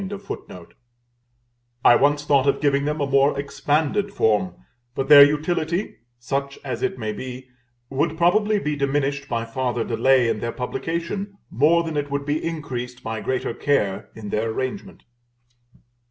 "[A] I once thought of giving them a more expanded form; but their utility, such as it may be, would probably be diminished by farther delay in their publication, more than it would be increased by greater care in their arrangement.